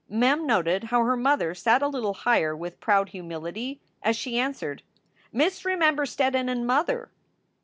Mem noted how her mother sat a little higher with proud humility as she an swered : "Miss Remember Steddon and mother!"